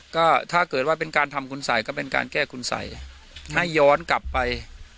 ก็ถ้าเกิดว่าเป็นการทำคุณสัยก็เป็นการแก้คุณสัยให้ย้อนกลับไป